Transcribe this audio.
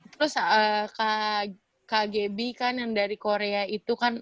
terus kak geby kan yang dari korea itu kan